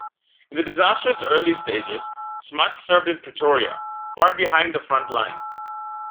In the disastrous early stages, Smuts served in Pretoria, far behind the front line.